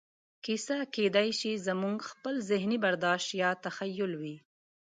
کیسه کېدای شي زموږ خپل ذهني برداشت یا تخیل وي.